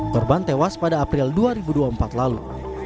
korban tewas pada april dua ribu dua puluh empat lalu